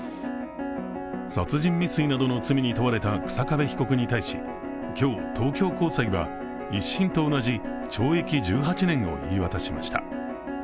殺人未遂などの罪に問われた日下部被告に対し、今日、東京高裁は一審と同じ懲役１８年を言い渡しました。